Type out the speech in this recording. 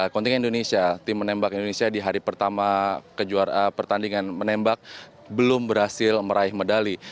kontingen indonesia tim menembak indonesia di hari pertama pertandingan menembak belum berhasil meraih medali